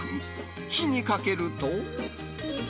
火にかけると。